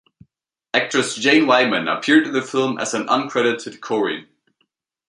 Actress Jane Wyman appeared in the film as an uncredited chorine.